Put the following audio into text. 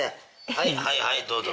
はいはいはいどうぞ。